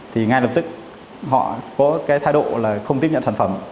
thì ngay lập tức họ có cái thái độ là không tiếp nhận sản phẩm